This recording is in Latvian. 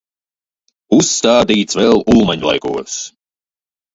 Uzstādīts vēl Ulmaņlaikos.